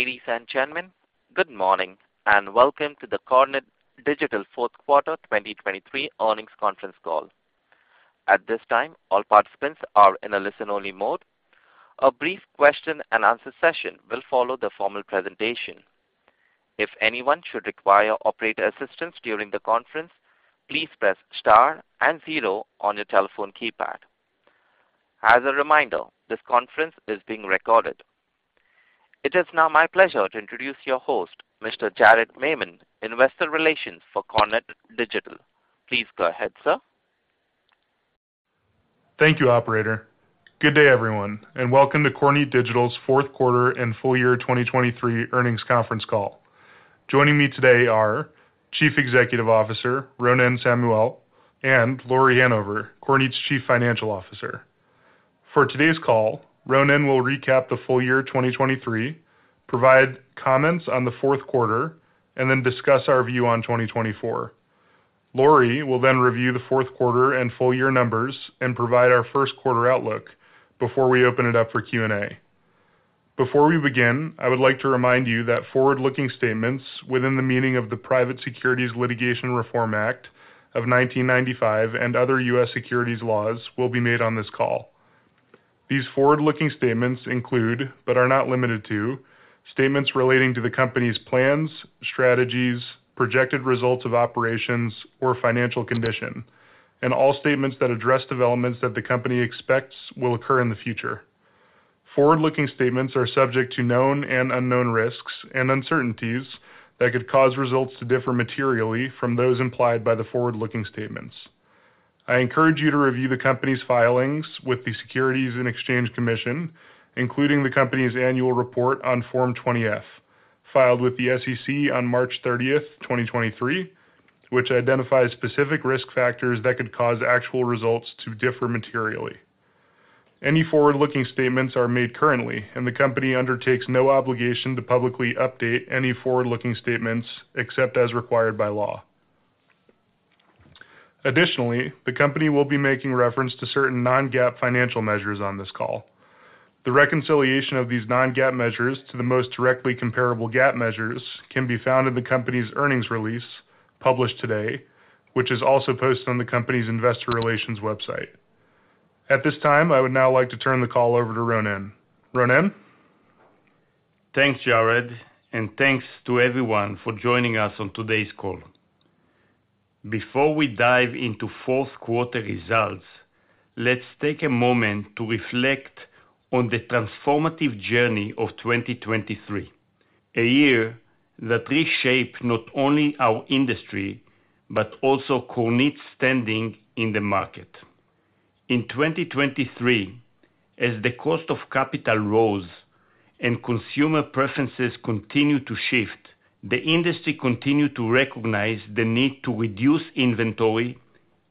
Ladies and gentlemen, good morning, and Welcome to the Kornit Digital fourth quarter 2023 earnings conference call. At this time, all participants are in a listen-only mode. A brief question and answer session will follow the formal presentation. If anyone should require operator assistance during the conference, please press star and zero on your telephone keypad. As a reminder, this conference is being recorded. It is now my pleasure to introduce your host, Mr. Jared Maymon, Investor Relations for Kornit Digital. Please go ahead, sir. Thank you, operator. Good day, everyone, and welcome to Kornit Digital's fourth quarter and Full Year 2023 earnings conference call. Joining me today are Chief Executive Officer Ronen Samuel and Lauri Hanover, Kornit's Chief Financial Officer. For today's call, Ronen will recap the full year 2023, provide comments on the fourth quarter, and then discuss our view on 2024. Lauri will then review the fourth quarter and full year numbers and provide our first quarter outlook before we open it up for Q&A. Before we begin, I would like to remind you that forward-looking statements within the meaning of the Private Securities Litigation Reform Act of 1995 and other U.S. securities laws will be made on this call. These forward-looking statements include but are not limited to statements relating to the company's plans, strategies, projected results of operations, or financial condition and all statements that address developments that the company expects will occur in the future. Forward-looking statements are subject to known and unknown risks and uncertainties that could cause results to differ materially from those implied by the forward-looking statements. I encourage you to review the company's filings with the Securities and Exchange Commission including the company's annual report on Form 20-F filed with the SEC on March 30th 2023 which identifies specific risk factors that could cause actual results to differ materially. Any forward-looking statements are made currently and the company undertakes no obligation to publicly update any forward-looking statements except as required by law. Additionally, the company will be making reference to certain non-GAAP financial measures on this call. The reconciliation of these non-GAAP measures to the most directly comparable GAAP measures can be found in the company's earnings release published today, which is also posted on the company's Investor Relations website. At this time, I would now like to turn the call over to Ronen. Ronen? Thanks Jared and thanks to everyone for joining us on today's call. Before we dive into fourth quarter results, let's take a moment to reflect on the transformative journey of 2023, a year that reshaped not only our industry but also Kornit's standing in the market. In 2023, as the cost of capital rose and consumer preferences continued to shift, the industry continued to recognize the need to reduce inventory,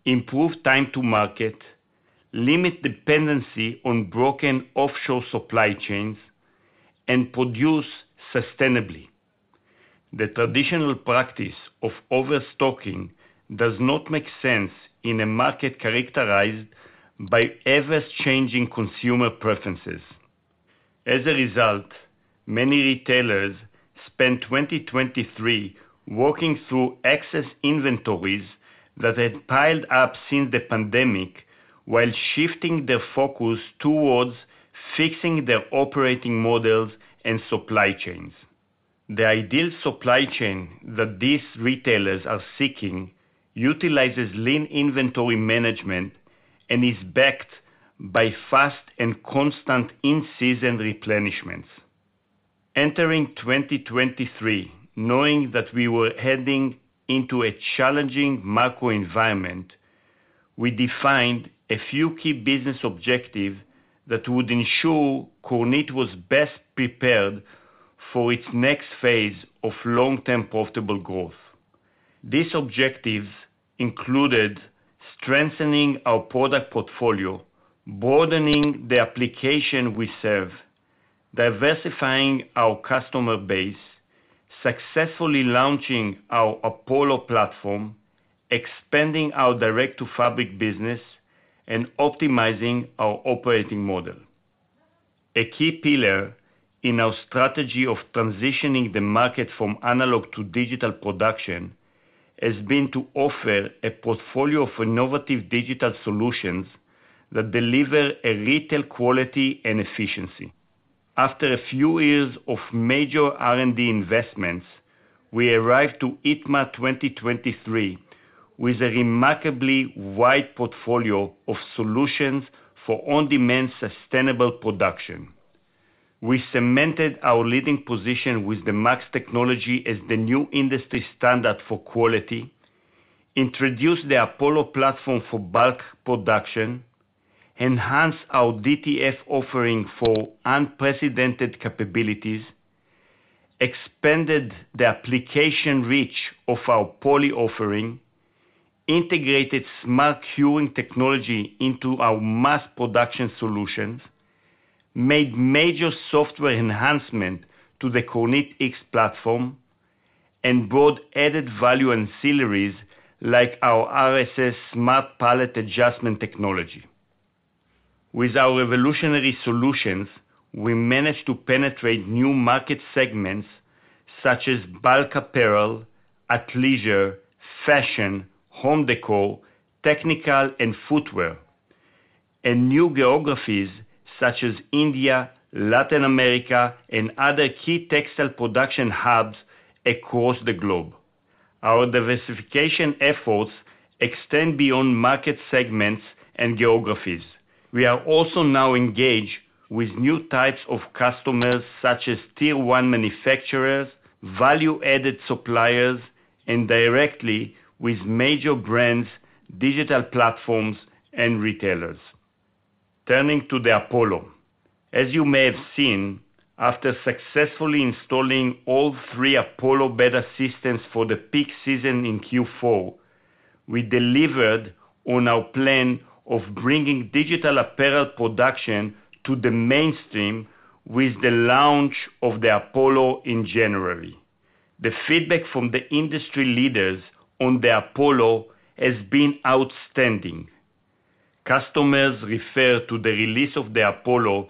improve time-to-market, limit dependency on broken offshore supply chains, and produce sustainably. The traditional practice of overstocking does not make sense in a market characterized by ever-changing consumer preferences. As a result, many retailers spent 2023 working through excess inventories that had piled up since the pandemic while shifting their focus towards fixing their operating models and supply chains. The ideal supply chain that these retailers are seeking utilizes lean inventory management and is backed by fast and constant in-season replenishments. Entering 2023 knowing that we were heading into a challenging macro environment, we defined a few key business objectives that would ensure Kornit was best prepared for its next phase of long-term profitable growth. These objectives included strengthening our product portfolio, broadening the application we serve, diversifying our customer base, successfully launching our Apollo platform, expanding our direct-to-fabric business, and optimizing our operating model. A key pillar in our strategy of transitioning the market from analog to digital production has been to offer a portfolio of innovative digital solutions that deliver a retail quality and efficiency. After a few years of major R&D investments, we arrived to ITMA 2023 with a remarkably wide portfolio of solutions for on-demand sustainable production. We cemented our leading position with the MAX Technology as the new industry standard for quality, introduced the Apollo platform for bulk production, enhanced our DTF offering for unprecedented capabilities, expanded the application reach of our Poly offering, integrated smart curing technology into our mass production solutions, made major software enhancement to the KornitX platform, and brought added value ancillaries like our RSS Smart Pallet Adjustment Technology. With our revolutionary solutions we managed to penetrate new market segments such as bulk apparel, athleisure, fashion, home décor, technical, and footwear, and new geographies such as India, Latin America, and other key textile production hubs across the globe. Our diversification efforts extend beyond market segments and geographies. We are also now engaged with new types of customers such as Tier 1 manufacturers, value-added suppliers, and directly with major brands, digital platforms, and retailers. Turning to the Apollo. As you may have seen, after successfully installing all three Apollo beta systems for the peak season in Q4, we delivered on our plan of bringing digital apparel production to the mainstream with the launch of the Apollo in January. The feedback from the industry leaders on the Apollo has been outstanding. Customers refer to the release of the Apollo as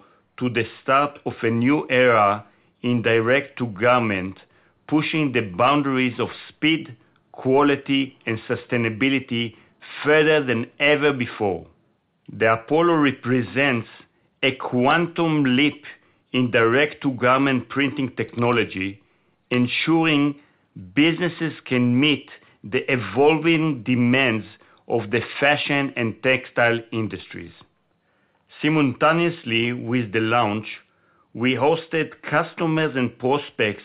the start of a new era in direct-to-garment, pushing the boundaries of speed, quality, and sustainability further than ever before. The Apollo represents a quantum leap in direct-to-garment printing technology, ensuring businesses can meet the evolving demands of the fashion and textile industries. Simultaneously with the launch, we hosted customers and prospects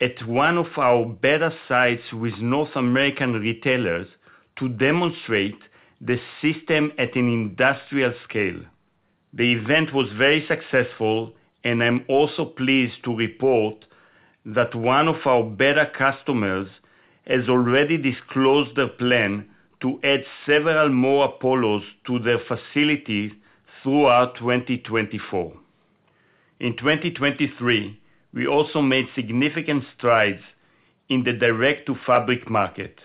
at one of our beta sites with North American retailers to demonstrate the system at an industrial scale. The event was very successful and I'm also pleased to report that one of our beta customers has already disclosed their plan to add several more Apollos to their facility throughout 2024. In 2023 we also made significant strides in the direct-to-fabric market.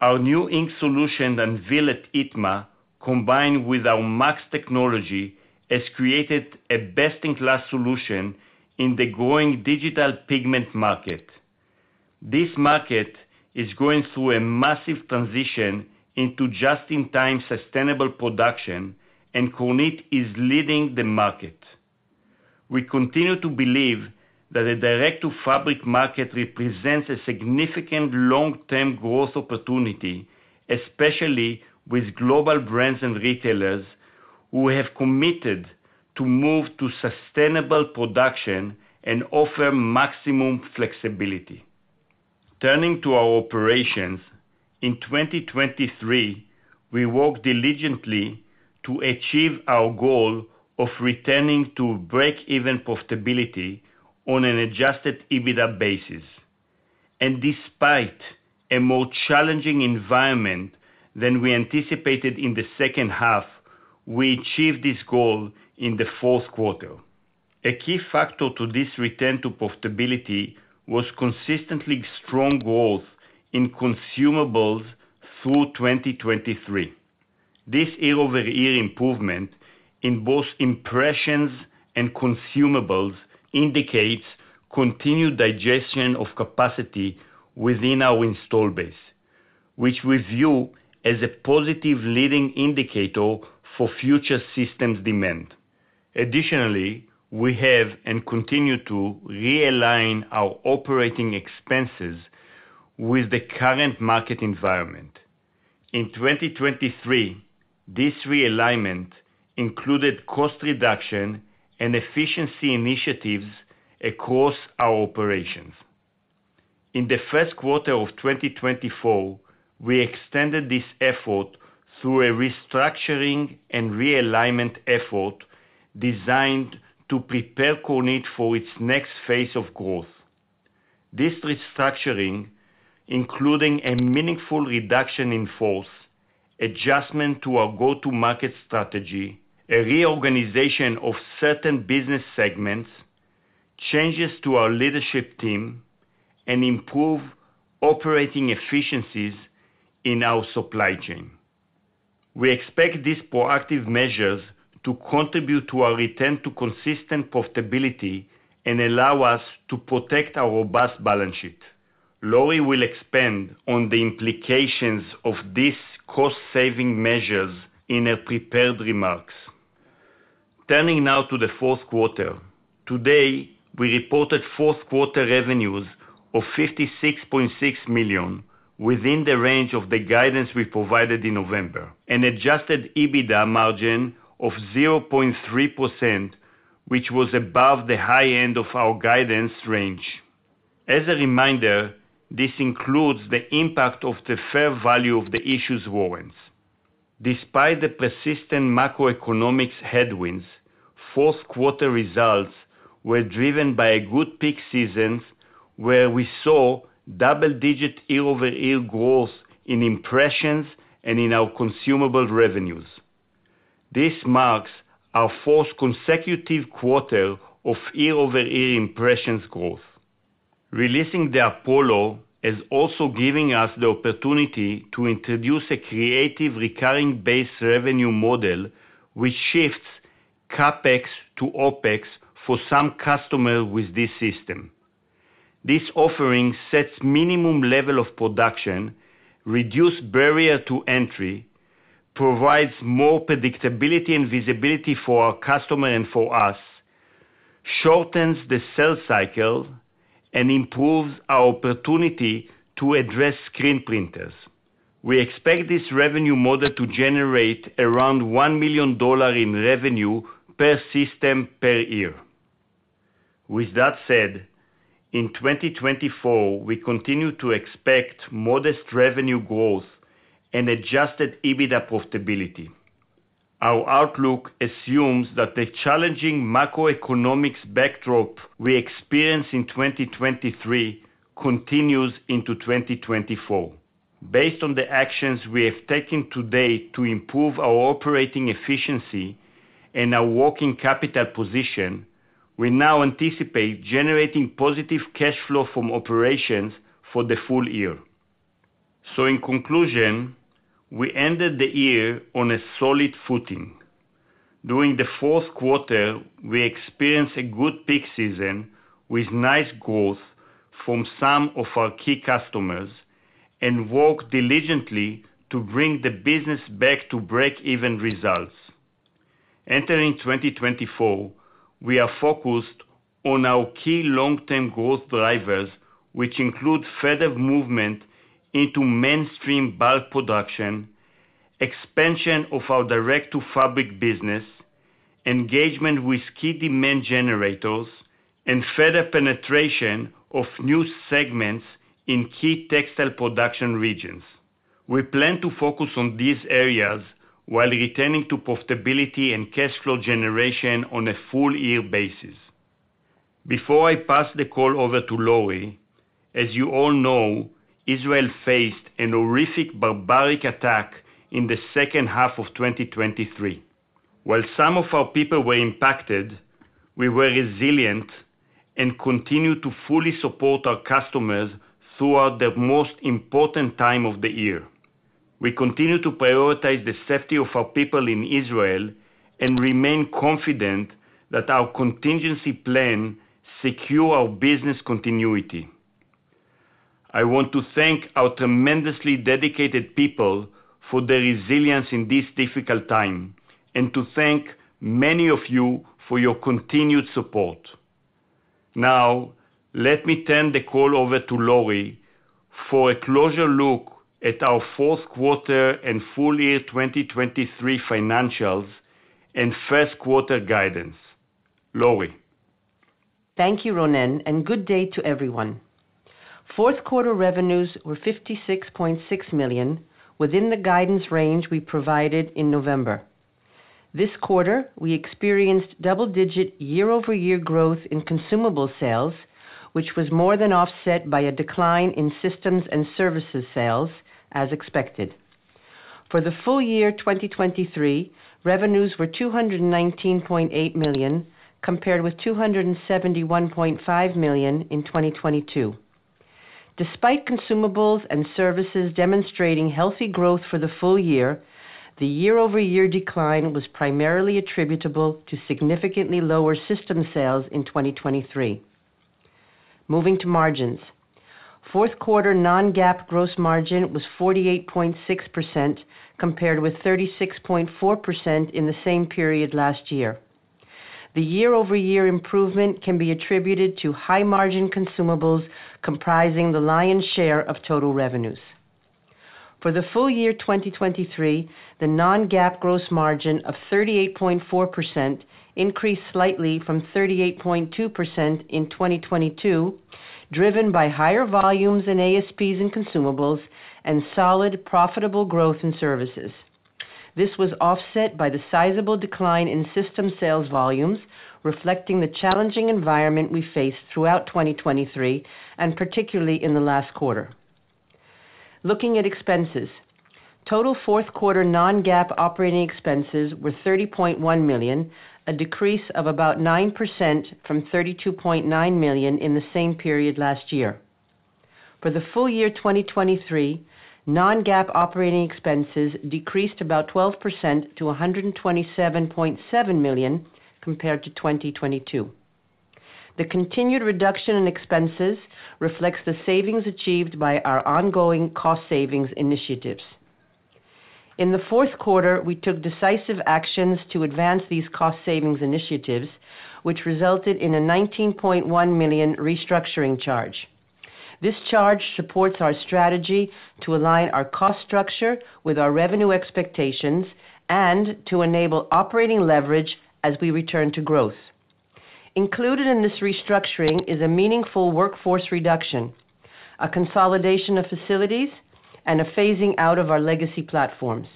Our new ink solution unveiled at ITMA combined with our MAX Technology has created a best-in-class solution in the growing digital pigment market. This market is going through a massive transition into just-in-time sustainable production and Kornit is leading the market. We continue to believe that the direct-to-fabric market represents a significant long-term growth opportunity especially with global brands and retailers who have committed to move to sustainable production and offer maximum flexibility. Turning to our operations in 2023 we worked diligently to achieve our goal of returning to break-even profitability on an Adjusted EBITDA basis. Despite a more challenging environment than we anticipated in the second half, we achieved this goal in the fourth quarter. A key factor to this return to profitability was consistently strong growth in consumables through 2023. This year-over-year improvement in both impressions and consumables indicates continued digestion of capacity within our install base, which we view as a positive leading indicator for future systems demand. Additionally, we have and continue to realign our operating expenses with the current market environment. In 2023, this realignment included cost reduction and efficiency initiatives across our operations. In the first quarter of 2024, we extended this effort through a restructuring and realignment effort designed to prepare Kornit for its next phase of growth. This restructuring, including a meaningful reduction in force, adjustment to our go-to-market strategy, a reorganization of certain business segments, changes to our leadership team, and improved operating efficiencies in our supply chain. We expect these proactive measures to contribute to our return to consistent profitability and allow us to protect our robust balance sheet. Lauri will expand on the implications of these cost-saving measures in her prepared remarks. Turning now to the fourth quarter. Today we reported fourth quarter revenues of $56.6 million within the range of the guidance we provided in November. An Adjusted EBITDA margin of 0.3% which was above the high end of our guidance range. As a reminder this includes the impact of the fair value of the issued warrants. Despite the persistent macroeconomic headwinds, fourth quarter results were driven by a good peak season where we saw double-digit year-over-year growth in impressions and in our consumable revenues. This marks our fourth consecutive quarter of year-over-year impressions growth. Releasing the Apollo is also giving us the opportunity to introduce a creative recurring base revenue model which shifts CapEx to OpEx for some customers with this system. This offering sets minimum level of production, reduces barrier to entry, provides more predictability and visibility for our customers and for us, shortens the sell cycle, and improves our opportunity to address screen printers. We expect this revenue model to generate around $1 million in revenue per system per year. With that said, in 2024 we continue to expect modest revenue growth and Adjusted EBITDA profitability. Our outlook assumes that the challenging macroeconomic backdrop we experienced in 2023 continues into 2024. Based on the actions we have taken today to improve our operating efficiency and our working capital position, we now anticipate generating positive cash flow from operations for the full year. So in conclusion, we ended the year on a solid footing. During the fourth quarter, we experienced a good peak season with nice growth from some of our key customers and worked diligently to bring the business back to break-even results. Entering 2024, we are focused on our key long-term growth drivers, which include further movement into mainstream bulk production, expansion of our direct-to-fabric business, engagement with key demand generators, and further penetration of new segments in key textile production regions. We plan to focus on these areas while returning to profitability and cash flow generation on a full-year basis. Before I pass the call over to Lauri. As you all know, Israel faced an horrific barbaric attack in the second half of 2023. While some of our people were impacted, we were resilient and continue to fully support our customers throughout their most important time of the year. We continue to prioritize the safety of our people in Israel and remain confident that our contingency plan secures our business continuity. I want to thank our tremendously dedicated people for their resilience in this difficult time and to thank many of you for your continued support. Now let me turn the call over to Lauri for a closer look at our fourth quarter and full-year 2023 financials and first quarter guidance. Lauri. Thank you Ronen and good day to everyone. fourth quarter revenues were $56.6 million within the guidance range we provided in November. This quarter we experienced double-digit year-over-year growth in consumable sales which was more than offset by a decline in systems and services sales as expected. For the full year 2023 revenues were $219.8 million compared with $271.5 million in 2022. Despite consumables and services demonstrating healthy growth for the full year the year-over-year decline was primarily attributable to significantly lower system sales in 2023. Moving to margins. fourth quarter non-GAAP gross margin was 48.6% compared with 36.4% in the same period last year. The year-over-year improvement can be attributed to high-margin consumables comprising the lion's share of total revenues. For the full year 2023 the non-GAAP gross margin of 38.4% increased slightly from 38.2% in 2022 driven by higher volumes in ASPs and consumables and solid profitable growth in services. This was offset by the sizable decline in system sales volumes reflecting the challenging environment we faced throughout 2023 and particularly in the last quarter. Looking at expenses. Total fourth quarter non-GAAP operating expenses were $30.1 million, a decrease of about 9% from $32.9 million in the same period last year. For the full year 2023 non-GAAP operating expenses decreased about 12% to $127.7 million compared to 2022. The continued reduction in expenses reflects the savings achieved by our ongoing cost-savings initiatives. In the fourth quarter we took decisive actions to advance these cost-savings initiatives which resulted in a $19.1 million restructuring charge. This charge supports our strategy to align our cost structure with our revenue expectations and to enable operating leverage as we return to growth. Included in this restructuring is a meaningful workforce reduction, a consolidation of facilities, and a phasing out of our legacy platforms.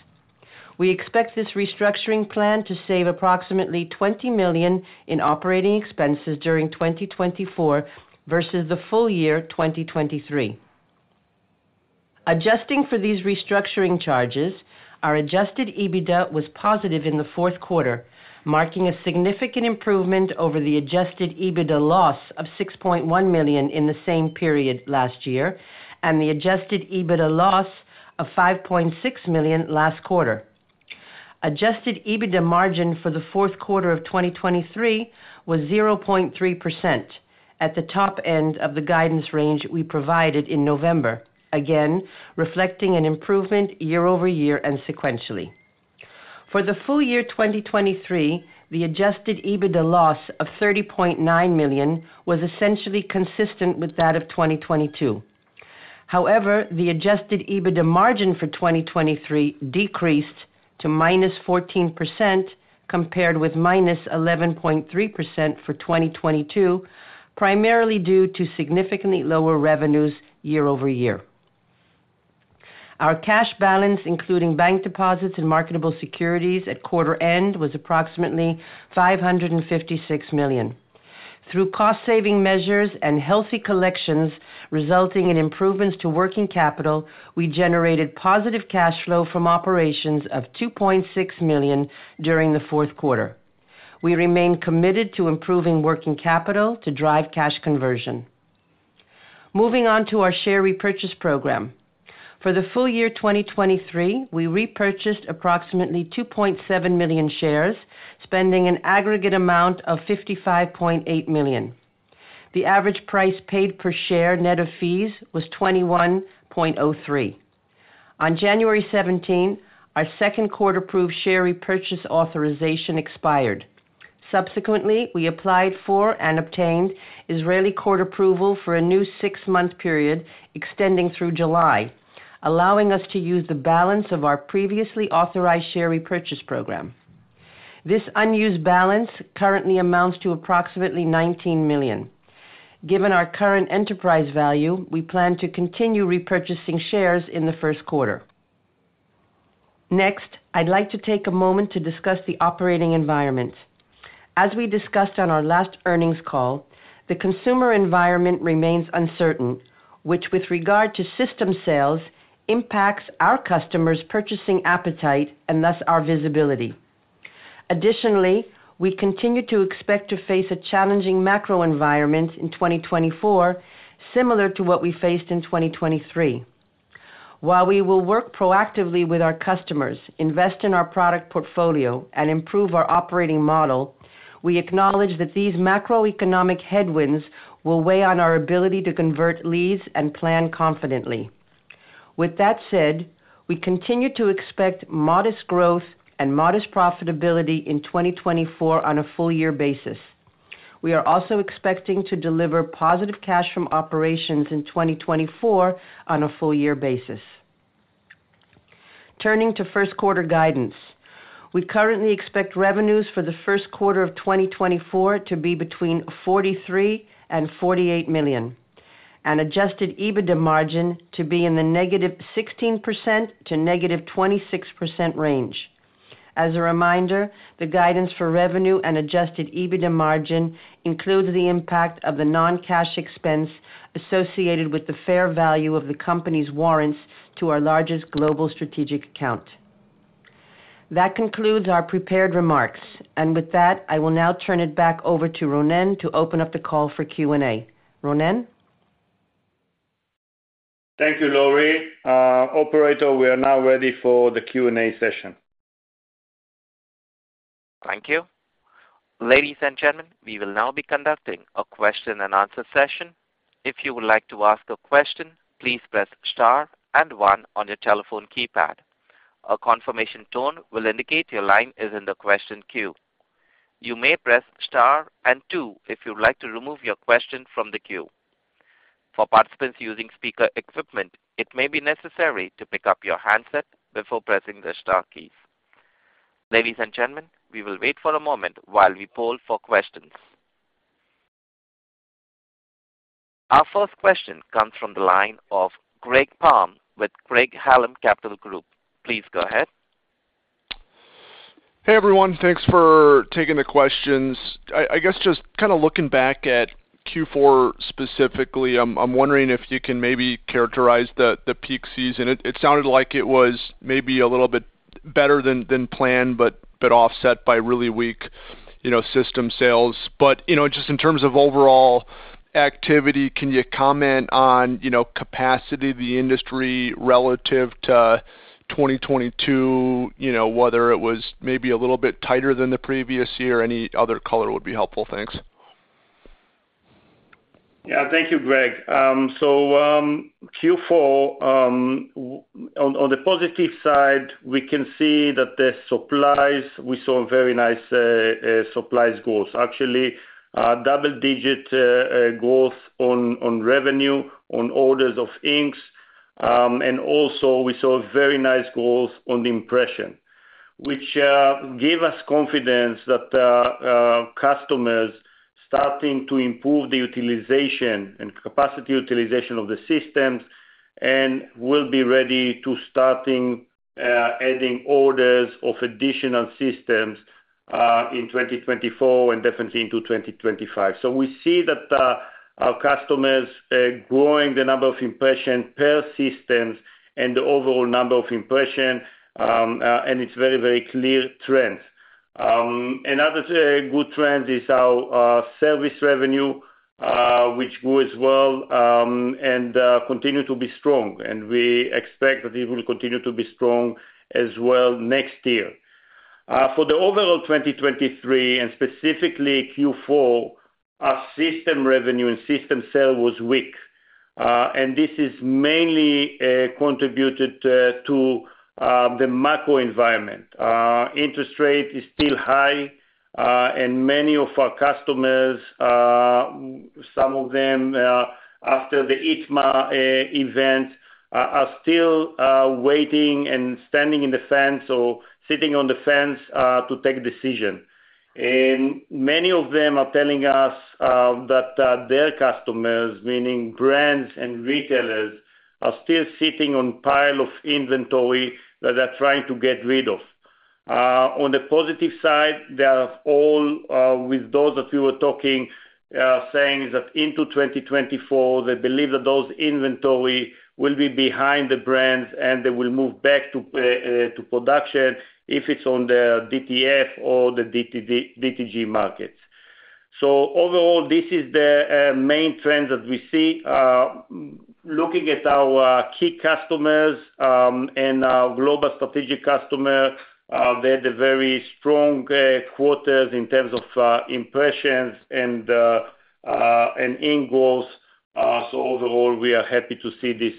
We expect this restructuring plan to save approximately $20 million in operating expenses during 2024 versus the full year 2023. Adjusting for these restructuring charges, our Adjusted EBITDA was positive in the fourth quarter, marking a significant improvement over the Adjusted EBITDA loss of $6.1 million in the same period last year and the Adjusted EBITDA loss of $5.6 million last quarter. Adjusted EBITDA margin for the fourth quarter of 2023 was 0.3% at the top end of the guidance range we provided in November, again reflecting an improvement year-over-year and sequentially. For the full year 2023, the Adjusted EBITDA loss of $30.9 million was essentially consistent with that of 2022. However, the Adjusted EBITDA margin for 2023 decreased to -14% compared with -11.3% for 2022, primarily due to significantly lower revenues year-over-year. Our cash balance, including bank deposits and marketable securities at quarter end, was approximately $556 million. Through cost-saving measures and healthy collections resulting in improvements to working capital, we generated positive cash flow from operations of $2.6 million during the fourth quarter. We remain committed to improving working capital to drive cash conversion. Moving on to our share repurchase program. For the full year 2023, we repurchased approximately 2.7 million shares, spending an aggregate amount of $55.8 million. The average price paid per share net of fees was $21.03. On January 17, our second quarter approved share repurchase authorization expired. Subsequently, we applied for and obtained Israeli court approval for a new six-month period extending through July, allowing us to use the balance of our previously authorized share repurchase program. This unused balance currently amounts to approximately $19 million. Given our current enterprise value, we plan to continue repurchasing shares in the first quarter. Next, I'd like to take a moment to discuss the operating environment. As we discussed on our last earnings call, the consumer environment remains uncertain, which, with regard to system sales, impacts our customers' purchasing appetite and thus our visibility. Additionally, we continue to expect to face a challenging macro environment in 2024 similar to what we faced in 2023. While we will work proactively with our customers, invest in our product portfolio, and improve our operating model, we acknowledge that these macroeconomic headwinds will weigh on our ability to convert leads and plan confidently. With that said, we continue to expect modest growth and modest profitability in 2024 on a full-year basis. We are also expecting to deliver positive cash from operations in 2024 on a full-year basis. Turning to first quarter guidance. We currently expect revenues for the first quarter of 2024 to be between $43 million and $48 million and Adjusted EBITDA margin to be in the -16% to -26% range. As a reminder, the guidance for revenue and Adjusted EBITDA margin includes the impact of the non-cash expense associated with the fair value of the company's warrants to our largest global strategic account. That concludes our prepared remarks, and with that I will now turn it back over to Ronen to open up the call for Q&A. Ronen? Thank you, Lauri. Operator, we are now ready for the Q&A session. Thank you. Ladies and gentlemen, we will now be conducting a question and answer session. If you would like to ask a question, please press star and one on your telephone keypad. A confirmation tone will indicate your line is in the question queue. You may press star and two if you would like to remove your question from the queue. For participants using speaker equipment, it may be necessary to pick up your handset before pressing the star keys. Ladies and gentlemen, we will wait for a moment while we poll for questions. Our first question comes from the line of Greg Palm with Craig-Hallum Capital Group. Please go ahead. Hey, everyone, thanks for taking the questions. I guess just kind of looking back at Q4 specifically, I'm wondering if you can maybe characterize the peak season. It sounded like it was maybe a little bit better than planned but offset by really weak, you know, system sales. But you know just in terms of overall activity, can you comment on you know capacity the industry relative to 2022, you know whether it was maybe a little bit tighter than the previous year? Any other color would be helpful, thanks. Yeah, thank you, Greg. So, Q4, on the positive side, we can see that the supplies we saw very nice supplies growth. Actually, double-digit growth on revenue on orders of inks. And also we saw very nice growth on the impression which gave us confidence that customers starting to improve the utilization and capacity utilization of the systems and will be ready to starting adding orders of additional systems in 2024 and definitely into 2025. So we see that our customers growing the number of impression per systems and the overall number of impression and it's very very clear trends. Another good trend is our service revenue which grew as well and continued to be strong and we expect that it will continue to be strong as well next year. For the overall 2023 and specifically Q4, our system revenue and system sale was weak. This is mainly contributed to the macro environment. Interest rate is still high and many of our customers, some of them after the ITMA event, are still waiting and sitting on the fence to take decision. And many of them are telling us that their customers, meaning brands and retailers, are still sitting on pile of inventory that they're trying to get rid of. On the positive side, they are all, those that we were talking, saying is that into 2024 they believe that those inventory will be behind the brands and they will move back to production if it's on the DTF or the DTG markets. So overall this is the main trends that we see, I'm looking at our key customers and our global strategic customer. They had very strong quarters in terms of impressions and in-growth. So overall we are happy to see this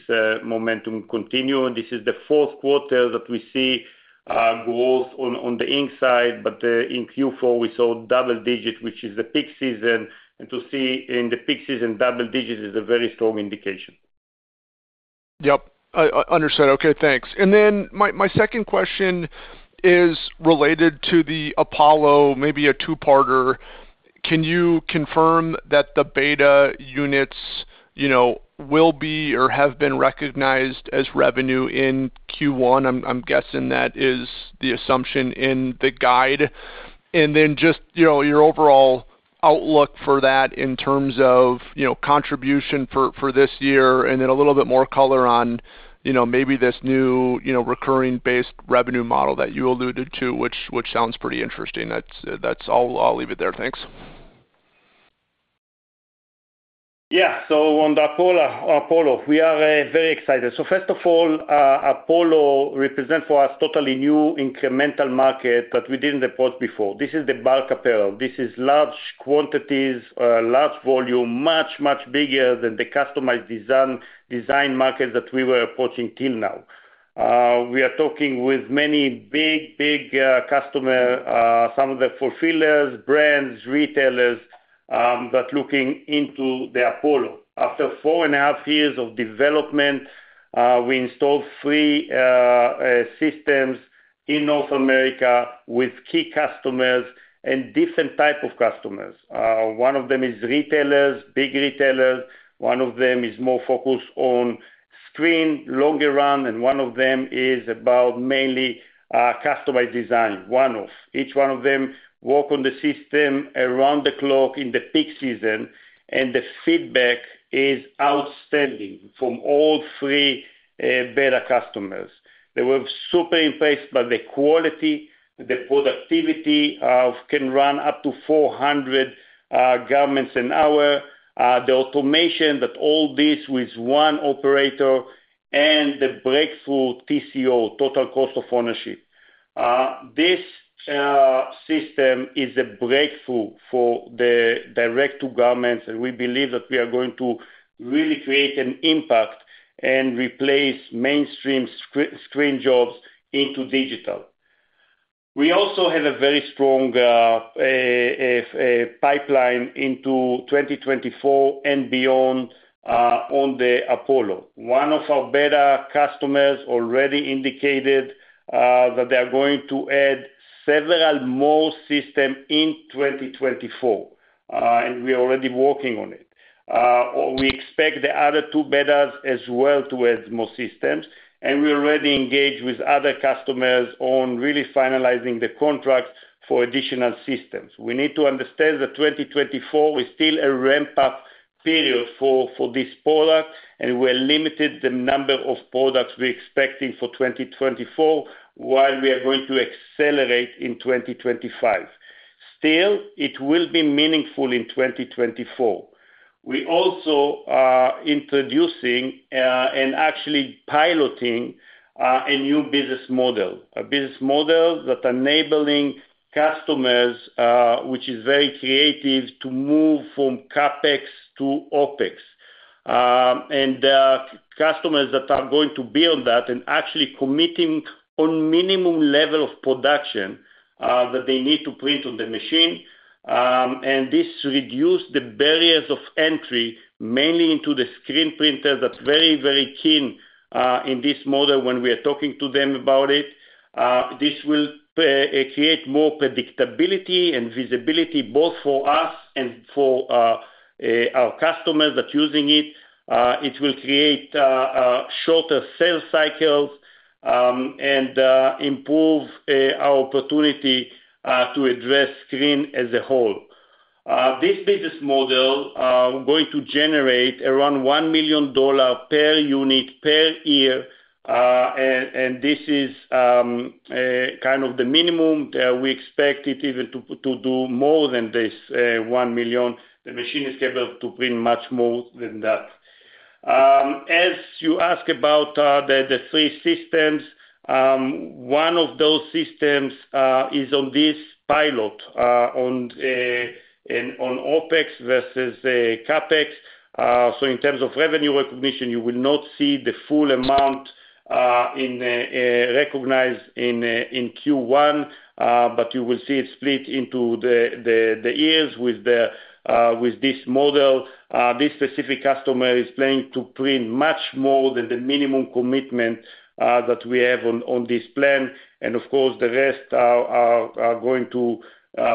momentum continue. This is the fourth quarter that we see growth on the ink side but in Q4 we saw double-digit which is the peak season. To see in the peak season double-digit is a very strong indication. Yep, I understood. Okay, thanks. And then my second question is related to the Apollo, maybe a two-parter. Can you confirm that the beta units, you know, will be or have been recognized as revenue in Q1? I'm guessing that is the assumption in the guide. And then just, you know, your overall outlook for that in terms of, you know, contribution for this year and then a little bit more color on, you know, maybe this new, you know, recurring-based revenue model that you alluded to, which sounds pretty interesting. That's all I'll leave it there. Thanks. Yeah, so on the Apollo Apollo, we are very excited. So first of all, Apollo represent for us totally new incremental market that we didn't approach before. This is the bulk apparel. This is large quantities large volume much much bigger than the customized design design markets that we were approaching till now. We are talking with many big big customer some of the fulfillers brands retailers that looking into the Apollo. After 4.5 years of development, we installed three systems in North America with key customers and different type of customers. One of them is retailers big retailers. One of them is more focused on screen longer run and one of them is about mainly customized design one-off. Each one of them work on the system around the clock in the peak season and the feedback is outstanding from all three beta customers. They were super impressed by the quality, the productivity of can run up to 400 garments an hour, the automation that all this with one operator, and the breakthrough TCO, total cost of ownership. This system is a breakthrough for the direct-to-garment, and we believe that we are going to really create an impact and replace mainstream screen jobs into digital. We also have a very strong pipeline into 2024 and beyond on the Apollo. One of our beta customers already indicated that they are going to add several more systems in 2024, and we are already working on it. Or we expect the other two betas as well to add more systems, and we already engage with other customers on really finalizing the contracts for additional systems. We need to understand that 2024 is still a ramp-up period for this product and we are limited the number of products we're expecting for 2024 while we are going to accelerate in 2025. Still, it will be meaningful in 2024. We also are introducing and actually piloting a new business model that enabling customers which is very creative to move from CapEx to OpEx. And customers that are going to build that and actually committing on minimum level of production that they need to print on the machine and this reduced the barriers of entry mainly into the screen printers that very very keen in this model when we are talking to them about it. This will create more predictability and visibility both for us and for our customers that using it. It will create shorter sales cycles and improve our opportunity to address screen as a whole. This business model we're going to generate around $1 million per unit per year and this is kind of the minimum. We expect it even to do more than this $1 million. The machine is capable to print much more than that. As you ask about the three systems, one of those systems is on this pilot on OpEx versus CapEx. So in terms of revenue recognition, you will not see the full amount recognized in Q1 but you will see it split into the years with this model. This specific customer is planning to print much more than the minimum commitment that we have on this plan, and of course the rest are going to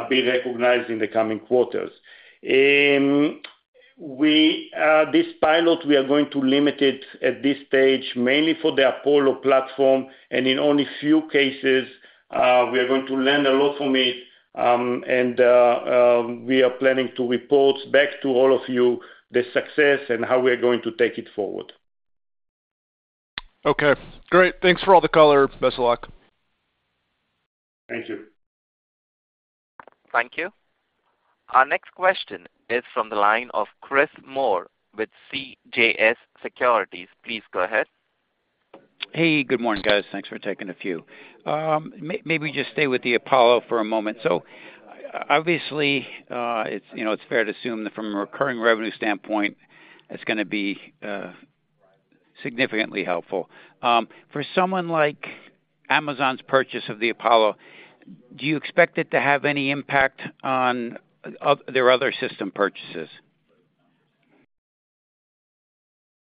be recognized in the coming quarters. And with this pilot we are going to limit it at this stage mainly for the Apollo platform, and in only few cases we are going to learn a lot from it, and we are planning to report back to all of you the success and how we are going to take it forward. Okay great. Thanks for all the color. Best of luck. Thank you. Thank you. Our next question is from the line of Chris Moore with CJS Securities. Please go ahead. Hey, good morning, guys. Thanks for taking a few. Maybe just stay with the Apollo for a moment. So, I obviously, it's, you know, it's fair to assume that from a recurring revenue standpoint it's gonna be significantly helpful. For someone like Amazon's purchase of the Apollo, do you expect it to have any impact on their other system purchases?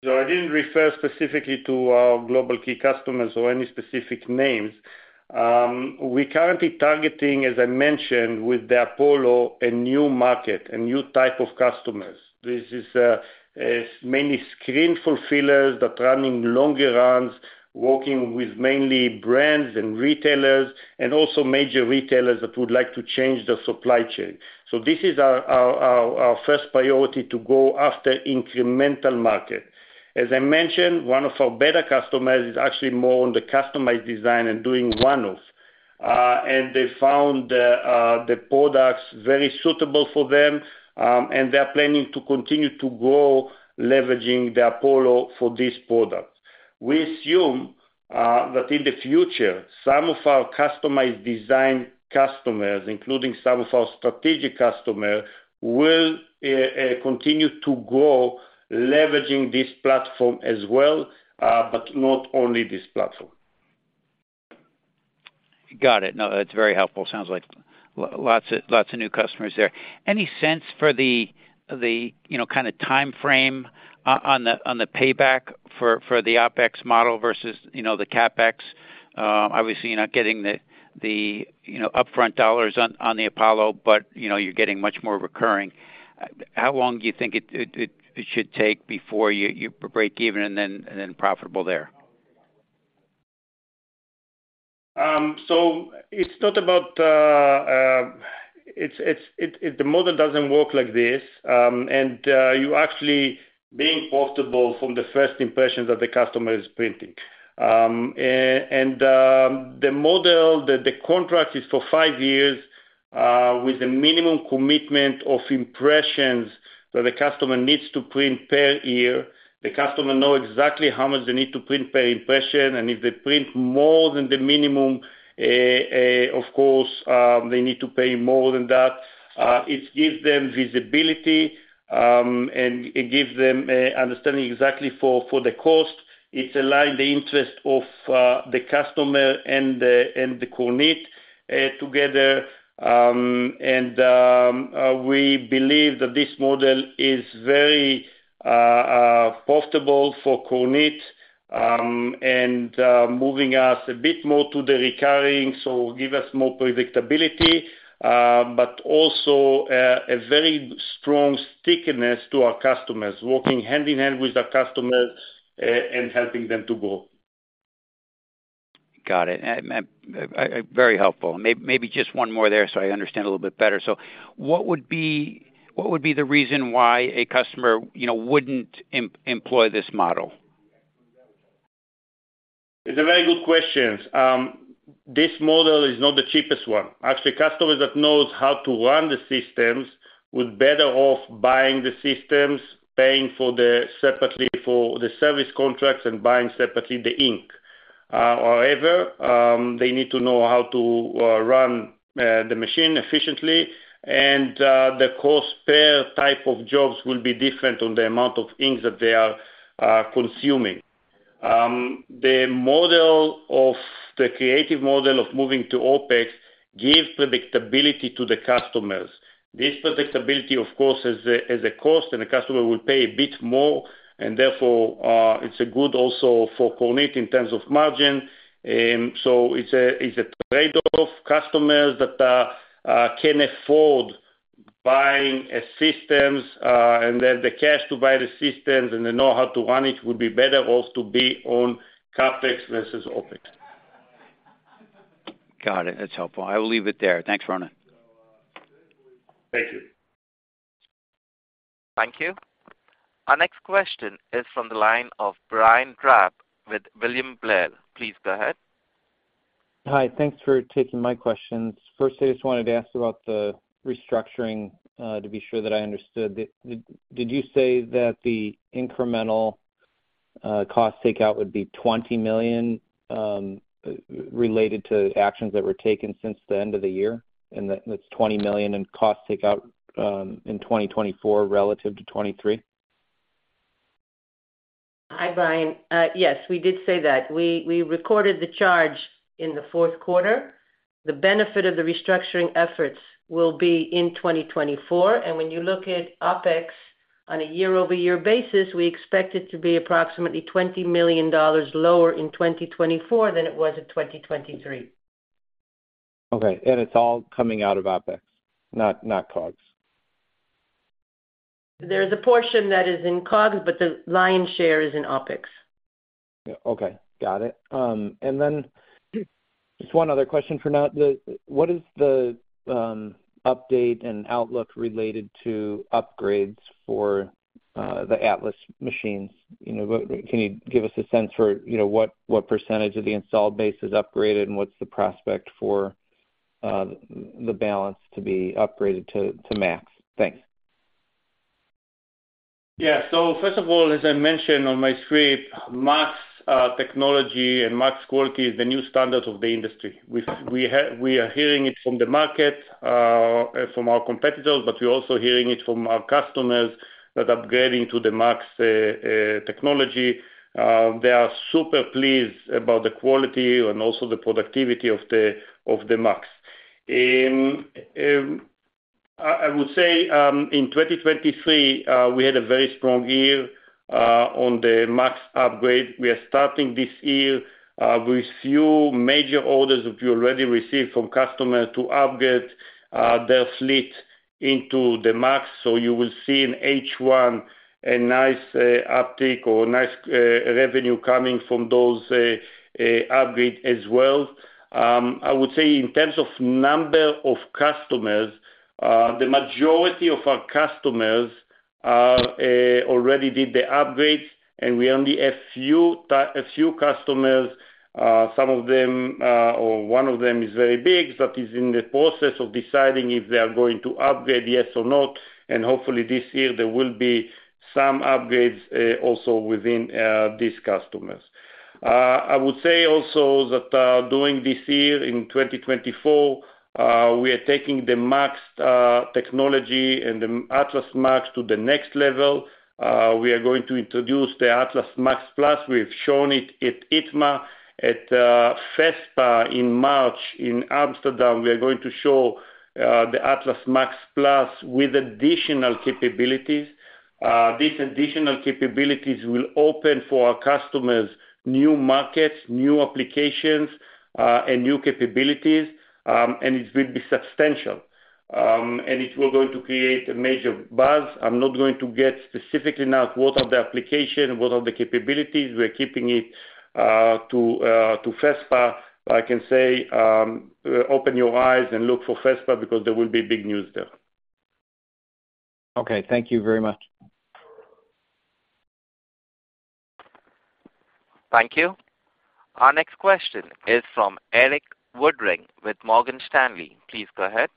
So I didn't refer specifically to our global key customers or any specific names. We're currently targeting as I mentioned with the Apollo a new market a new type of customers. This is mainly screen fulfillers that running longer runs working with mainly brands and retailers and also major retailers that would like to change their supply chain. So this is our first priority to go after incremental market. As I mentioned one of our beta customers is actually more on the customized design and doing one-off. And they found the products very suitable for them and they are planning to continue to grow leveraging the Apollo for this product. We assume that in the future some of our customized design customers including some of our strategic customer will continue to grow leveraging this platform as well but not only this platform. Got it. No, that's very helpful. Sounds like lots of new customers there. Any sense for the, you know, kind of time frame on the payback for the OpEx model versus, you know, the CapEx? Obviously you're not getting the, you know, upfront dollars on the Apollo, but you know you're getting much more recurring. How long do you think it should take before you break even and then profitable there? So it's not about it. The model doesn't work like this. You actually being profitable from the first impression that the customer is printing. The model that the contract is for five years with a minimum commitment of impressions that the customer needs to print per year. The customer know exactly how much they need to print per impression and if they print more than the minimum of course they need to pay more than that. It gives them visibility and it gives them understanding exactly for the cost. It's aligned the interest of the customer and the Kornit together. We believe that this model is very profitable for Kornit and moving us a bit more to the recurring, so give us more predictability but also a very strong stickiness to our customers, working hand-in-hand with our customers and helping them to grow. Got it. Very helpful. Maybe just one more there so I understand a little bit better. So what would be the reason why a customer you know wouldn't implement this model? It's a very good question. This model is not the cheapest one. Actually customers that know how to run the systems would be better off buying the systems paying separately for the service contracts and buying separately the ink. However they need to know how to run the machine efficiently and the cost per type of jobs will be different on the amount of inks that they are consuming. The creative model of moving to OpEx gives predictability to the customers. This predictability of course has a cost and the customer will pay a bit more and therefore it's a good also for Kornit in terms of margin. So it's a trade-off for customers that can afford buying systems and they have the cash to buy the systems and they know how to run it would be better off to be on CapEx versus OpEx. Got it. That's helpful. I will leave it there. Thanks Ronen. Thank you. Thank you. Our next question is from the line of Brian Drab with William Blair. Please go ahead. Hi, thanks for taking my questions. First, I just wanted to ask about the restructuring to be sure that I understood. Did you say that the incremental cost takeout would be $20 million related to actions that were taken since the end of the year? And that that's $20 million in cost takeout in 2024 relative to 2023? Hi Brian. Yes, we did say that. We recorded the charge in the fourth quarter. The benefit of the restructuring efforts will be in 2024. When you look at OpEx on a year-over-year basis, we expect it to be approximately $20 million lower in 2024 than it was in 2023. Okay, and it's all coming out of OpEx, not COGS. There is a portion that is in COGS but the lion's share is in OpEx. Yeah, okay, got it. And then just one other question for now. What is the update and outlook related to upgrades for the Atlas machines? You know, what can you give us a sense for, you know, what percentage of the installed base is upgraded and what's the prospect for the balance to be upgraded to MAX? Thanks. Yeah, so first of all, as I mentioned on my script, MAX Technology and MAX Quality is the new standard of the industry. We are hearing it from the market and from our competitors, but we're also hearing it from our customers that upgrading to the MAX Technology, they are super pleased about the quality and also the productivity of the MAX. I would say in 2023 we had a very strong year on the MAX upgrade. We are starting this year with few major orders that we already received from customer to upgrade their fleet into the MAX. So you will see in H1 a nice uptick or a nice revenue coming from those upgrade as well. I would say in terms of number of customers the majority of our customers are already did the upgrades and we only have a few customers some of them or one of them is very big that is in the process of deciding if they are going to upgrade yes or not. Hopefully this year there will be some upgrades also within these customers. I would say also that during this year in 2024 we are taking the MAX Technology and the Atlas MAX to the next level. We are going to introduce the Atlas MAX PLUS. We've shown it at ITMA at FESPA in March in Amsterdam. We are going to show the Atlas MAX PLUS with additional capabilities. These additional capabilities will open for our customers new markets new applications and new capabilities and it will be substantial. It will going to create a major buzz. I'm not going to get specifically now what are the application what are the capabilities. We are keeping it to FESPA. But I can say open your eyes and look for FESPA because there will be big news there. Okay, thank you very much. Thank you. Our next question is from Eric Woodring with Morgan Stanley. Please go ahead.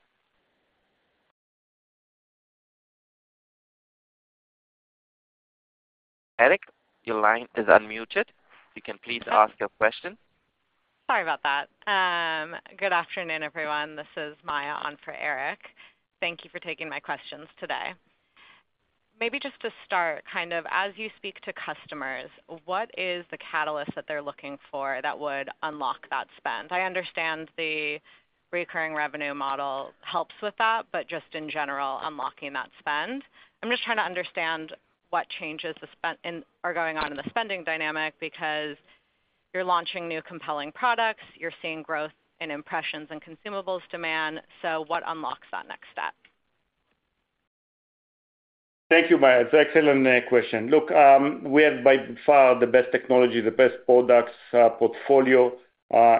Eric your line is unmuted. You can please ask your question. Sorry about that. Good afternoon, everyone. This is Maya on for Eric. Thank you for taking my questions today. Maybe just to start, kind of as you speak to customers, what is the catalyst that they're looking for that would unlock that spend? I understand the recurring revenue model helps with that, but just in general unlocking that spend. I'm just trying to understand what changes in the spending are going on in the spending dynamic because you're launching new compelling products, you're seeing growth in impressions and consumables demand, so what unlocks that next step? Thank you, Maya. It's an excellent question. Look, we have by far the best technology, the best products portfolio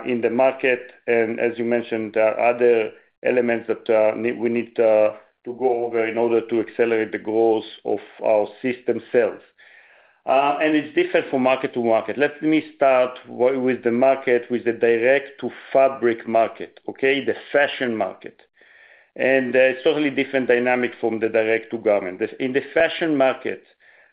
in the market, and as you mentioned, there are other elements that we need to go over in order to accelerate the growth of our system sales. It's different from market to market. Let me start with the market, with the direct-to-fabric market, okay, the fashion market. It's totally different dynamic from the direct-to-garment. In the fashion market,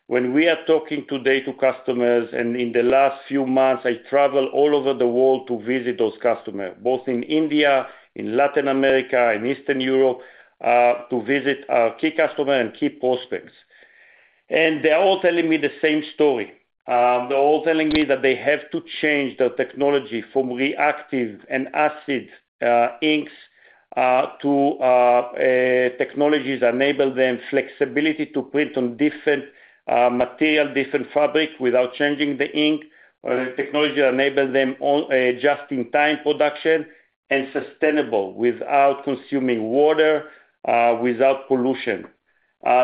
when we are talking today to customers and in the last few months I travel all over the world to visit those customer both in India, in Latin America, in Eastern Europe to visit our key customer and key prospects. They are all telling me the same story. They're all telling me that they have to change their technology from reactive and acid inks to technologies enable them flexibility to print on different material different fabric without changing the ink or the technology enable them on just-in-time production and sustainable without consuming water without pollution.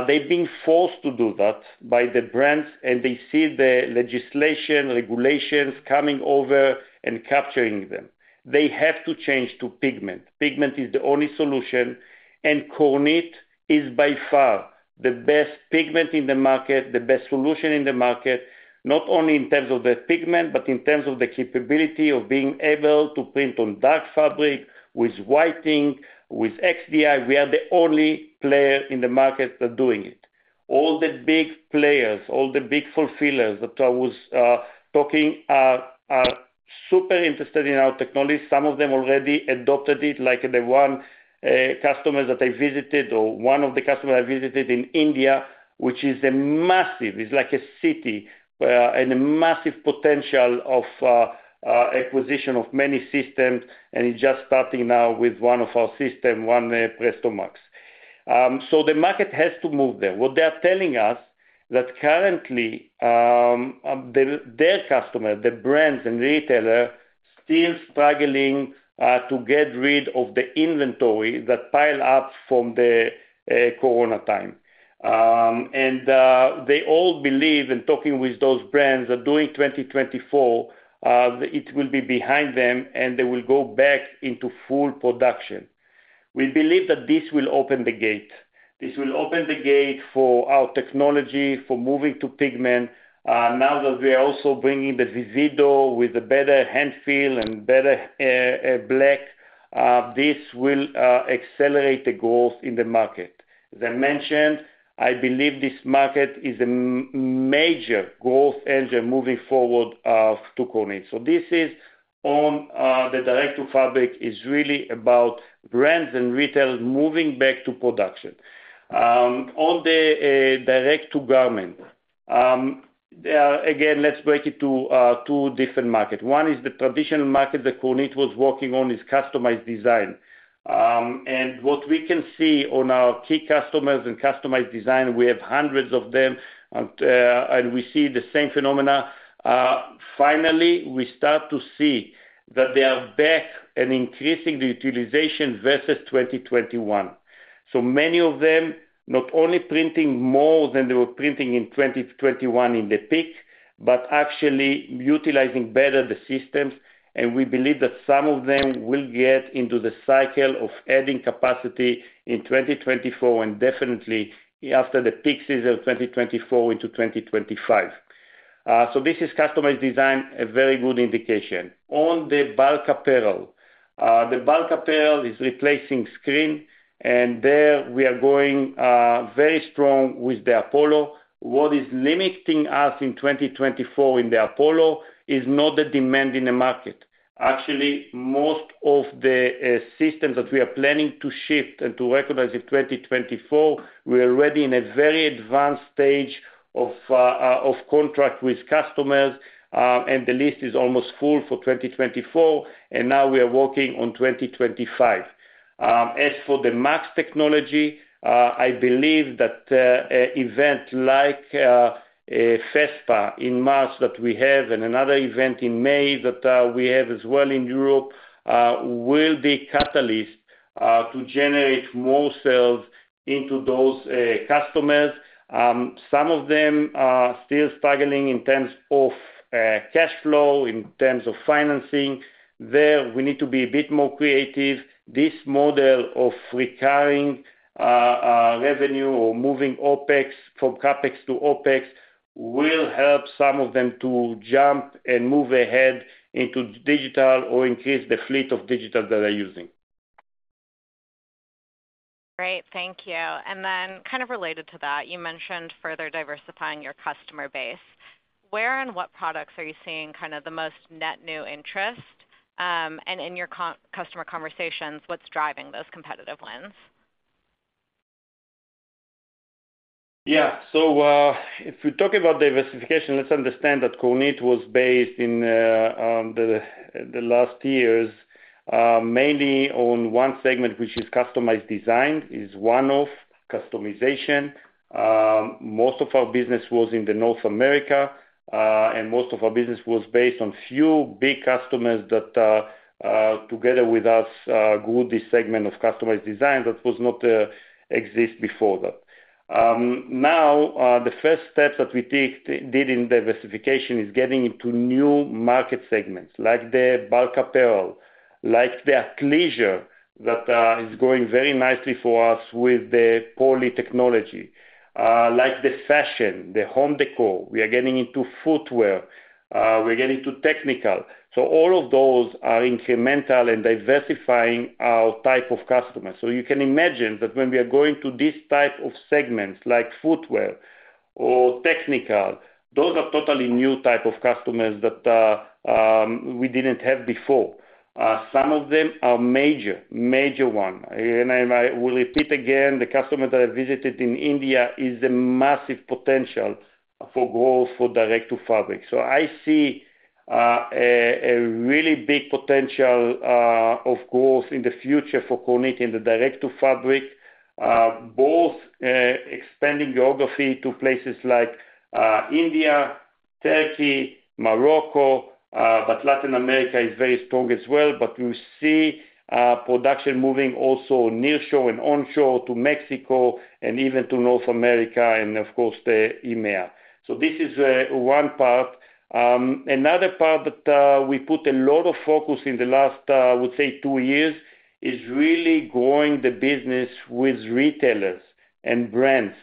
They've been forced to do that by the brands and they see the legislation regulations coming over and capturing them. They have to change to pigment. Pigment is the only solution and Kornit is by far the best pigment in the market the best solution in the market not only in terms of the pigment but in terms of the capability of being able to print on dark fabric with white ink with XDi we are the only player in the market that doing it. All the big players all the big fulfillers that I was talking are are super interested in our technology. Some of them already adopted it like the one customers that I visited or one of the customer I visited in India which is a massive it's like a city where and a massive potential of acquisition of many systems and it's just starting now with one of our system one Presto MAX. So the market has to move there. What they are telling us that currently the their customer the brands and retailer still struggling to get rid of the inventory that pile up from the corona time. And they all believe in talking with those brands that doing 2024 the it will be behind them and they will go back into full production. We believe that this will open the gate. This will open the gate for our technology for moving to pigment now that we are also bringing the Vivido with a better handfeel and better black. This will accelerate the growth in the market. As I mentioned, I believe this market is a major growth engine moving forward to Kornit. So this is on the direct-to-fabric is really about brands and retail moving back to production. On the direct-to-garment, there are again let's break it to two different markets. One is the traditional market that Kornit was working on is customized design. And what we can see on our key customers and customized design we have hundreds of them and we see the same phenomena. Finally we start to see that they are back and increasing the utilization versus 2021. So many of them not only printing more than they were printing in 2021 in the peak but actually utilizing better the systems and we believe that some of them will get into the cycle of adding capacity in 2024 and definitely after the peak season 2024 into 2025. So this is customized design a very good indication. On the bulk apparel the bulk apparel is replacing screen and there we are going very strong with the Apollo. What is limiting us in 2024 in the Apollo is not the demand in the market. Actually most of the systems that we are planning to shift and to recognize in 2024 we are already in a very advanced stage of contract with customers and the list is almost full for 2024 and now we are working on 2025. As for the MAX Technology, I believe that events like FESPA in March that we have and another event in May that we have as well in Europe will be catalyst to generate more sales into those customers. Some of them are still struggling in terms of cash flow in terms of financing. There we need to be a bit more creative. This model of recurring revenue or moving OpEx from CapEx to OpEx will help some of them to jump and move ahead into digital or increase the fleet of digital that they're using. Great, thank you. And then, kind of related to that, you mentioned further diversifying your customer base. Where and what products are you seeing kind of the most net new interest, and in your customer conversations, what's driving those competitive wins? Yeah, so if we talk about diversification, let's understand that Kornit was based in the last years mainly on one segment which is customized design, is one-off customization. Most of our business was in North America and most of our business was based on few big customers that together with us grew this segment of customized design that was not exist before that. Now the first steps that we take today in diversification is getting into new market segments like the bulk apparel, like the athleisure that is going very nicely for us with the Poly technology, like the fashion, the home decor. We are getting into footwear, we're getting to technical. So all of those are incremental and diversifying our type of customer. So you can imagine that when we are going to this type of segments like footwear or technical those are totally new type of customers that we didn't have before. Some of them are major major one. I and I might will repeat again the customer that I visited in India is a massive potential for growth for direct-to-fabric. So I see a a really big potential of growth in the future for Kornit in the direct-to-fabric both expanding geography to places like India, Turkey, Morocco but Latin America is very strong as well. But we'll see production moving also nearshore and onshore to Mexico and even to North America and of course the EMEA. So this is one part. Another part that we put a lot of focus in the last I would say two years is really growing the business with retailers and brands.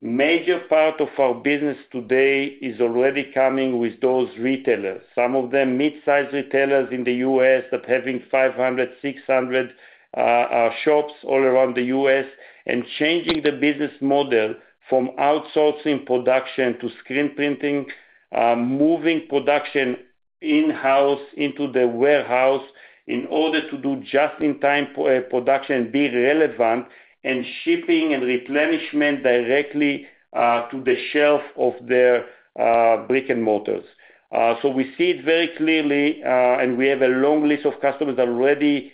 Major part of our business today is already coming with those retailers, some of them mid-size retailers in the U.S. that having 500-600 shops all around the U.S. and changing the business model from outsourcing production to screen printing, moving production in-house into the warehouse in order to do just-in-time production, be relevant, and shipping and replenishment directly to the shelf of their brick and mortars. So we see it very clearly, and we have a long list of customers already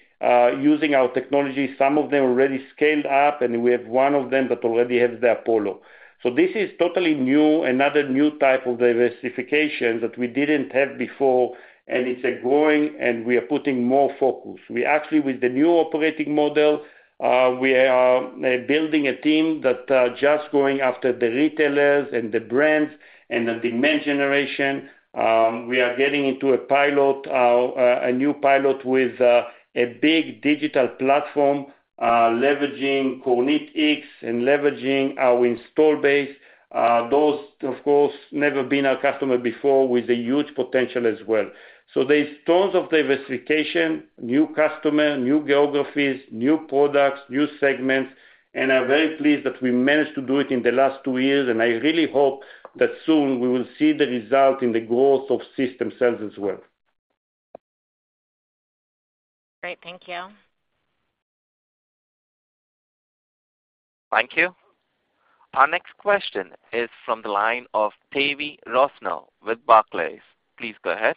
using our technology, some of them already scaled up, and we have one of them that already has the Apollo. So this is totally new, another new type of diversification that we didn't have before, and it's a growing, and we are putting more focus. We actually, with the new operating model, we are building a team that just going after the retailers and the brands and the demand generation. We are getting into a pilot, a new pilot with a big digital platform leveraging KornitX and leveraging our installed base. Those, of course, never been our customer before with a huge potential as well. So there's tons of diversification, new customer, new geographies, new products, new segments, and I'm very pleased that we managed to do it in the last two years and I really hope that soon we will see the result in the growth of system sales as well. Great, thank you. Thank you. Our next question is from the line of Tavy Rosner with Barclays. Please go ahead.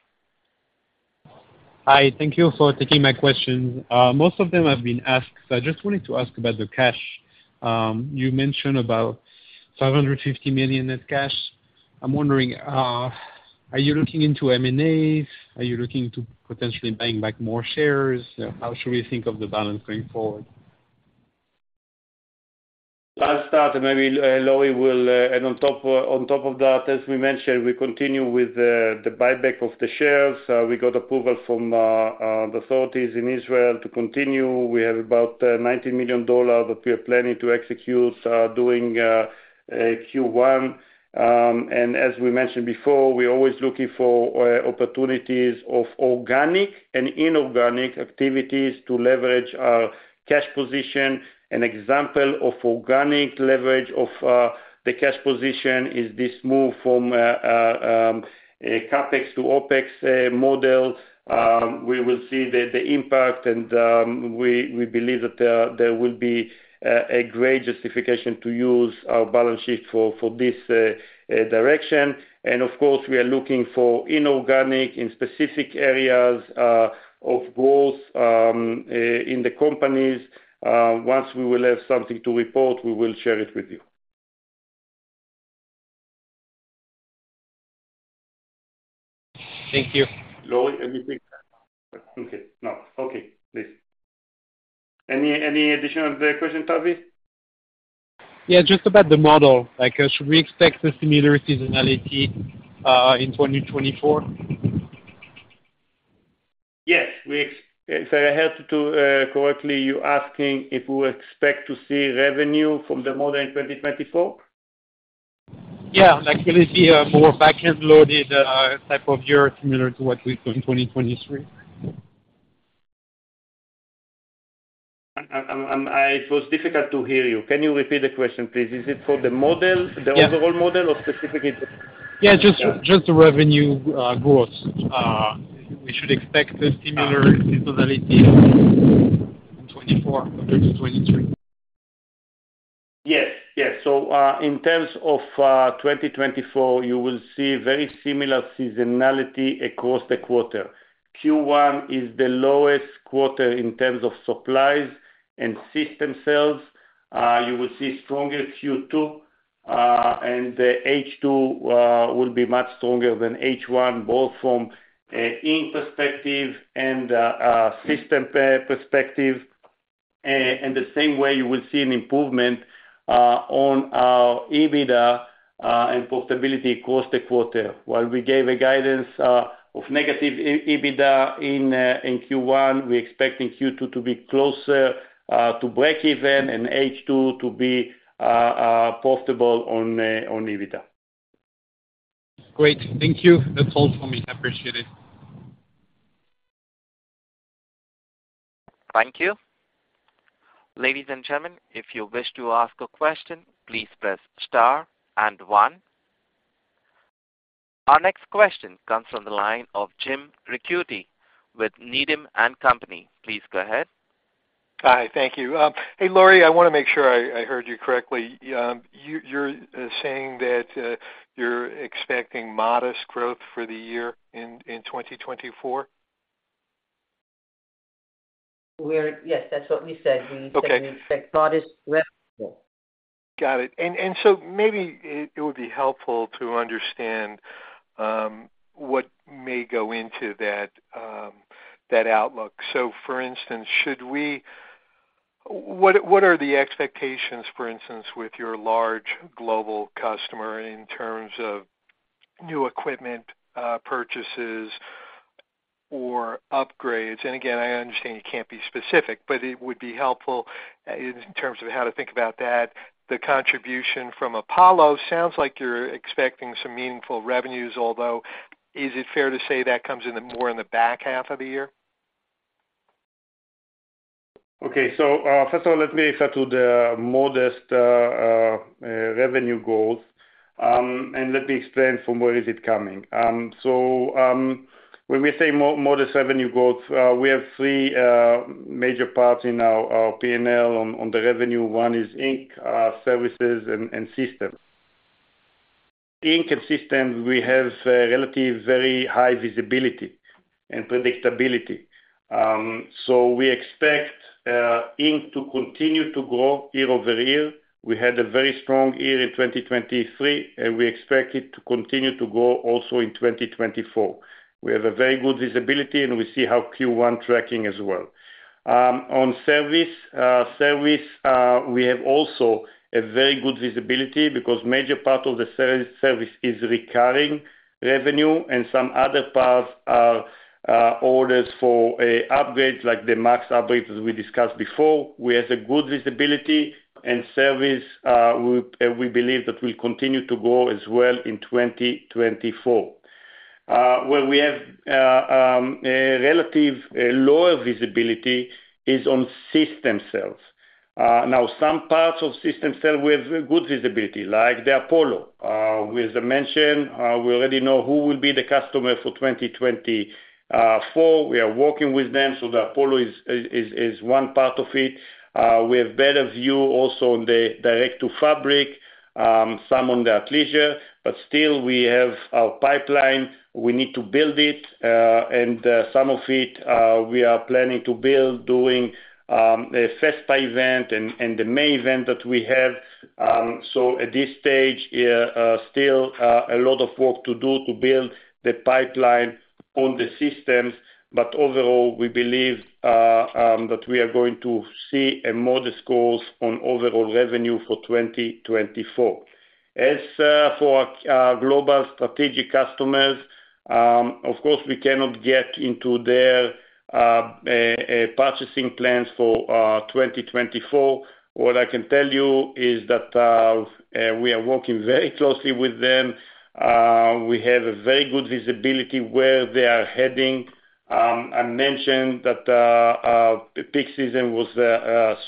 Hi, thank you for taking my questions. Most of them have been asked so I just wanted to ask about the cash. You mentioned about $550 million net cash. I'm wondering, are you looking into M&As? Are you looking to potentially buying back more shares? How should we think of the balance going forward? Let's start and maybe Lauri will add on top of that. As we mentioned, we continue with the buyback of the shares. We got approval from the authorities in Israel to continue. We have about $19 million that we are planning to execute during Q1. And as we mentioned before, we're always looking for opportunities of organic and inorganic activities to leverage our cash position. An example of organic leverage of the cash position is this move from CapEx to OpEx model. We will see the impact and we believe that there will be a great justification to use our balance sheet for this direction. And of course we are looking for inorganic in specific areas of growth in the companies. Once we will have something to report we will share it with you. Thank you. Lauri, anything? Okay, no. Okay, please. Any additional other question, Tavy? Yeah, just about the model. Like, should we expect a similar seasonality in 2024? Yes, we expect. If I heard you correctly, you're asking if we will expect to see revenue from the model in 2024? Yeah, like really see more backend loaded type of year similar to what we've done 2023. It was difficult to hear you. Can you repeat the question please? Is it for the model, the overall model, or specifically the? Yeah just the revenue growth. We should expect a similar seasonality in 2024 compared to 2023. Yes, yes. So in terms of 2024 you will see very similar seasonality across the quarter. Q1 is the lowest quarter in terms of supplies and system sales. You will see stronger Q2 and the H2 will be much stronger than H1 both from ink perspective and systems sales perspective. And the same way you will see an improvement on our EBITDA and profitability across the quarter. While we gave a guidance of negative EBITDA in Q1 we're expecting Q2 to be closer to break even and H2 to be profitable on EBITDA. Great, thank you. That's all from me. I appreciate it. Thank you. Ladies and gentlemen, if you wish to ask a question, please press star and one. Our next question comes from the line of Jim Ricchiuti with Needham & Company. Please go ahead. Hi, thank you. Hey, Lauri, I wanna make sure I heard you correctly. You’re saying that you’re expecting modest growth for the year in 2024? Yes, that's what we said. Okay. We expect modest revenue. Got it. And so maybe it would be helpful to understand what may go into that outlook. So for instance, what are the expectations for instance with your large global customer in terms of new equipment purchases or upgrades? And again I understand you can't be specific but it would be helpful in terms of how to think about that. The contribution from Apollo sounds like you're expecting some meaningful revenues although is it fair to say that comes in more in the back half of the year? Okay, so first of all, let me refer to the modest revenue growth and let me explain from where it is coming. So when we say modest revenue growth, we have three major parts in our P&L on the revenue. One is ink, services, and systems. Ink and systems, we have relatively very high visibility and predictability. So we expect ink to continue to grow year-over-year. We had a very strong year in 2023 and we expect it to continue to grow also in 2024. We have a very good visibility and we see how Q1 tracking as well. On service, we have also a very good visibility because major part of the service is recurring revenue and some other parts are orders for upgrades like the MAX upgrades that we discussed before. We have good visibility and service. We believe that will continue to grow as well in 2024. Where we have relatively lower visibility is on system sales. Now some parts of system sales we have good visibility like the Apollo. With the mention we already know who will be the customer for 2024. We are working with them so the Apollo is one part of it. We have better view also on the direct-to-fabric some on the athleisure but still we have our pipeline. We need to build it and some of it we are planning to build during a FESPA event and the May event that we have. So at this stage still a lot of work to do to build the pipeline on the systems but overall we believe that we are going to see a modest growth on overall revenue for 2024. As for our global strategic customers of course we cannot get into their purchasing plans for 2024. What I can tell you is that we are working very closely with them. We have a very good visibility where they are heading. I mentioned that peak season was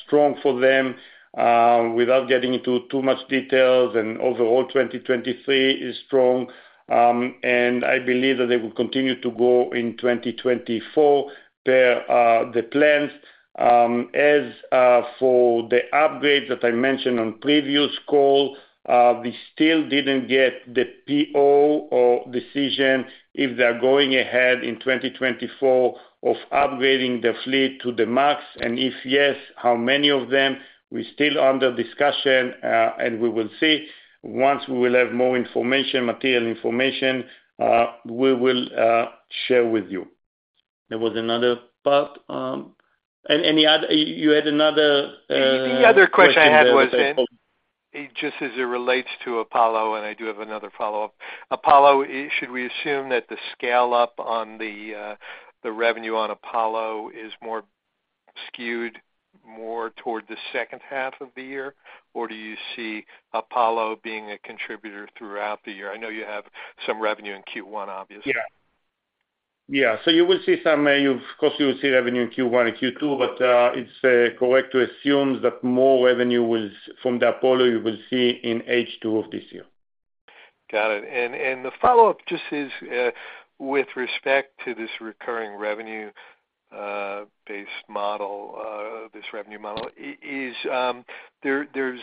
strong for them without getting into too much details and overall 2023 is strong. I believe that they will continue to grow in 2024 per the plans. As for the upgrades that I mentioned on previous call, we still didn't get the PO or decision if they are going ahead in 2024 of upgrading the fleet to the MAX, and if yes, how many of them. We still under discussion and we will see. Once we will have more information material information, we will share with you. There was another part, and any other you had another. The other question I had was in it just as it relates to Apollo and I do have another follow-up. Apollo, I—should we assume that the scale-up on the revenue on Apollo is more skewed more toward the second half of the year or do you see Apollo being a contributor throughout the year? I know you have some revenue in Q1 obviously. Yeah. Yeah, so you will see some. You of course will see revenue in Q1 and Q2, but it's correct to assume that more revenue will come from the Apollo you will see in H2 of this year. Got it. And the follow-up just is with respect to this recurring revenue based model, this revenue model. Is there? There's,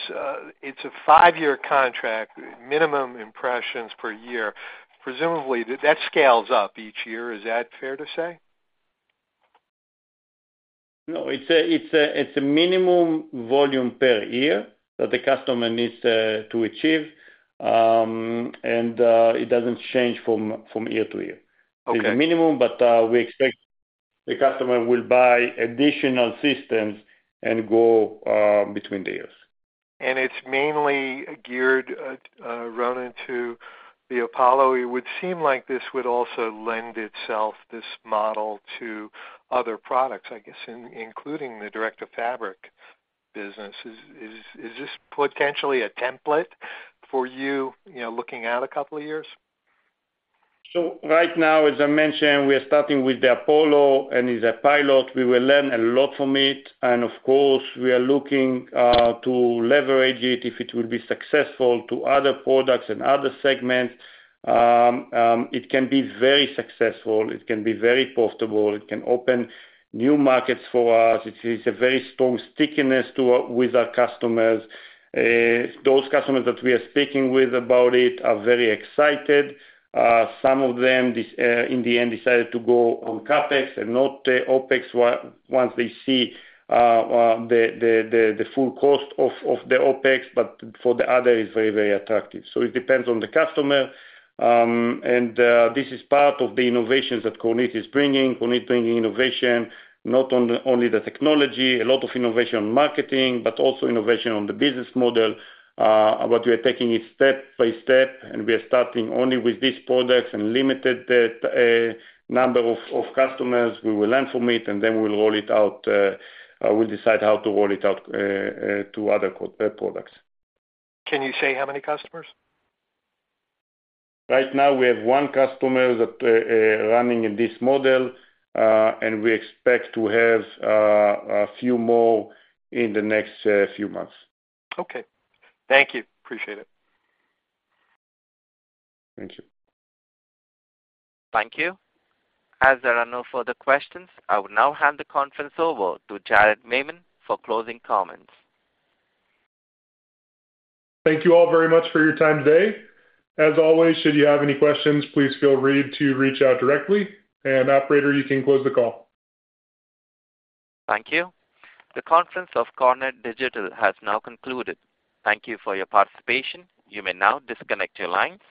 it's a five-year contract, minimum impressions per year. Presumably that scales up each year. Is that fair to say? No, it's a minimum volume per year that the customer needs to achieve. And it doesn't change from year to year. Okay. It's a minimum, but we expect the customer will buy additional systems and go between the years. It's mainly geared, Ronen, to the Apollo. It would seem like this would also lend itself, this model, to other products, I guess, including the direct-to-fabric business. Is this potentially a template for you, you know, looking out a couple of years? So right now as I mentioned we are starting with the Apollo and it's a pilot. We will learn a lot from it. Of course we are looking to leverage it if it will be successful to other products and other segments. It can be very successful. It can be very profitable. It can open new markets for us. It's a very strong stickiness with our customers. Those customers that we are speaking with about it are very excited. Some of them, in the end, decided to go on CapEx and not OpEx way once they see the full cost of the OpEx but for the others it's very very attractive. So it depends on the customer. This is part of the innovations that Kornit is bringing. Kornit bringing innovation not only on the technology, a lot of innovation on marketing, but also innovation on the business model. But we are taking it step by step, and we are starting only with these products and limited that number of customers. We will learn from it, and then we'll roll it out. We'll decide how to roll it out to other core products. Can you say how many customers? Right now we have one customer that's running in this model and we expect to have a few more in the next few months. Okay, thank you. Appreciate it. Thank you. Thank you. As there are no further questions I will now hand the conference over to Jared Maymon for closing comments. Thank you all very much for your time today. As always, should you have any questions, please feel free to reach out directly. And, operator, you can close the call. Thank you. The conference of Kornit Digital has now concluded. Thank you for your participation. You may now disconnect your lines.